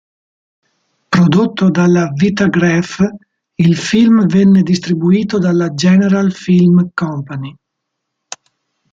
Prodotto dalla Vitagraph, il film venne distribuito dalla General Film Company.